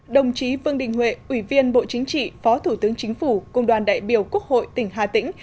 đồng chí vương đình huệ ủy viên bộ chính trị phó thủ tướng chính phủ cùng đoàn đại biểu quốc hội tỉnh hà tĩnh